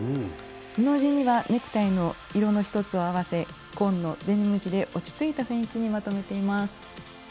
布地にはネクタイの色の１つを合わせ紺のデニム地で落ち着いた雰囲気にまとめています。